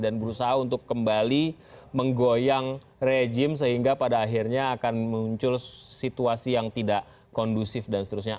dan berusaha untuk kembali menggoyang rejim sehingga pada akhirnya akan muncul situasi yang tidak kondusif dan seterusnya